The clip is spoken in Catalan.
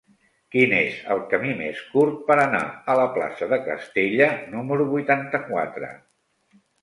Quin és el camí més curt per anar a la plaça de Castella número vuitanta-quatre?